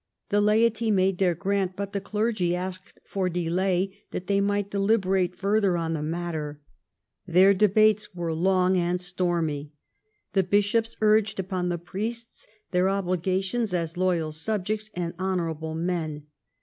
The laity made their grant, but the clergy asked for delay that they might deliberate further on the matter. Their debates were long and stormy. The bishops urged upon the priests their obligations as loyal subjects and honourable men.